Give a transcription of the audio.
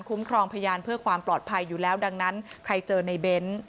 ครองพยานเพื่อความปลอดภัยอยู่แล้วดังนั้นใครเจอในเบ้น